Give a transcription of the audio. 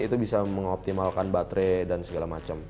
itu bisa mengoptimalkan baterai dan segala macam